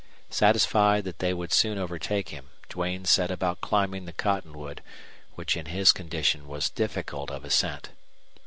Satisfied that they would soon overtake him, Duane set about climbing the cottonwood, which in his condition was difficult of ascent.